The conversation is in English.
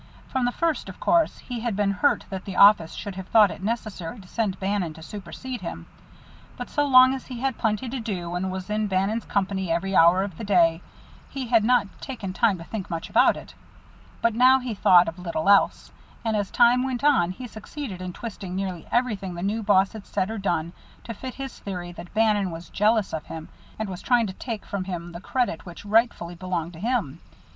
From the first, of course, he had been hurt that the office should have thought it necessary to send Bannon to supersede him, but so long as he had plenty to do and was in Bannon's company every hour of the day, he had not taken time to think about it much. But now he thought of little else, and as time went on he succeeded in twisting nearly everything the new boss had said or done to fit his theory that Bannon was jealous of him and was trying to take from him the credit which rightfully belonged to him.